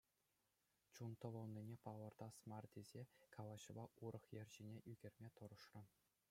Чун тӑвӑлнине палӑртас мар тесе, калаҫӑва урӑх йӗр ҫине ӳкерме тӑрӑшрӑм.